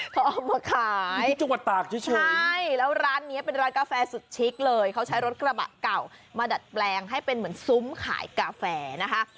เขาเอามาขายที่จังหวัดตากเฉยใช่แล้วร้านนี้เป็นร้านกาแฟสุดชิคเลยเขาใช้รถกระบะเก่ามาดัดแปลงให้เป็นเหมือนซุ้มขายกาแฟนะคะ